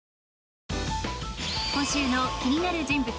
今週の気になる人物